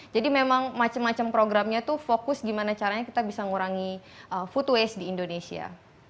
jadi memang macam macam programnya itu fokus gimana caranya kita bisa ngurangi food waste di indonesia